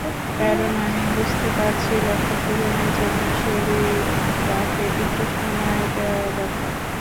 কারণ আমি বুঝতে পারছি, লক্ষ্যপূরণের জন্য শরীরটাকে একটু সময় দেওয়া দরকার।